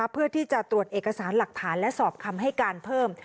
เพื่อที่จะตรวจเอกสารหลักฐานและสอบคำให้การเพิ่ม